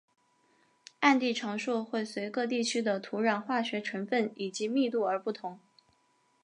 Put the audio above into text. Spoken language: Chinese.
接地常数会随各地区的土壤化学成份以及密度而不同。